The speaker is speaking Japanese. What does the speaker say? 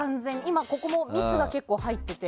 ここも結構、蜜入ってて。